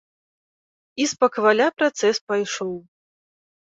І спакваля працэс пайшоў.